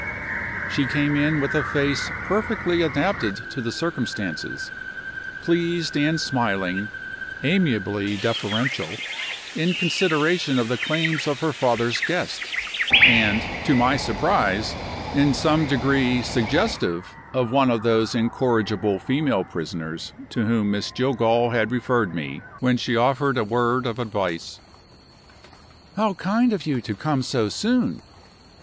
She came in with a face perfectly adapted to the circumstances pleased and smiling; amiably deferential, in consideration of the claims of her father's guest and, to my surprise, in some degree suggestive of one of those incorrigible female prisoners, to whom Miss Jillgall had referred me when she offered a word of advice. "How kind of you to come so soon!